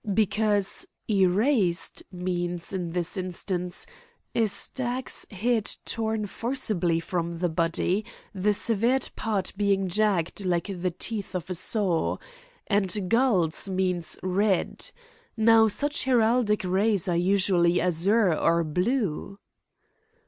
"Because 'erased' means, in this instance, a stag's head torn forcibly from the body, the severed part being jagged like the teeth of a saw. And 'gules' means 'red.' Now, such heraldic rays are usually azure or blue."